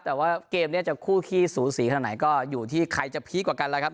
แต่ว่าเกมนี้จะคู่ขี้สูสีขนาดไหนก็อยู่ที่ใครจะพีคกว่ากันแล้วครับ